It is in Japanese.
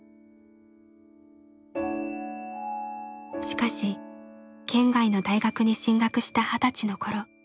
しかし県外の大学に進学した二十歳の頃。